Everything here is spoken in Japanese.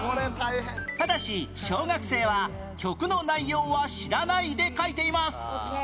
ただし小学生は曲の内容は知らないで描いています